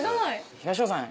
東野さん